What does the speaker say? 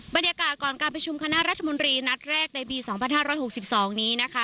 บรรยากาศก่อนการประชุมคณะรัฐมนตรีนัดแรกในปี๒๕๖๒นี้นะคะ